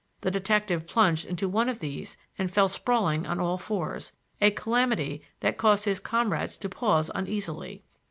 The detective plunged into one of these and fell sprawling on all fours,—a calamity that caused his comrades to pause uneasily.